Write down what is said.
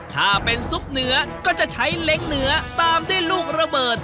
ถ้าเป็นซุปเหนือก็จะใช้เล็งเหนือตามที่รุ่งระเบิด